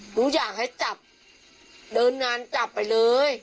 หนูอยากให้จับเดินงานจับไปเลย